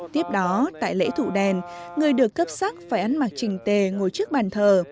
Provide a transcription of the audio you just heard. tiếp đó tại lễ thủ đèn người được cấp sắc phải ăn mặc trình tề ngồi trước bàn thờ